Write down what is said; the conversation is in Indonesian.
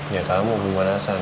ya kamu pemanasan